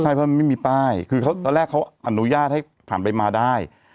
ใช่เพราะมันไม่มีป้ายคือตอนแรกเขาอนุญาตให้ผ่านไปมาได้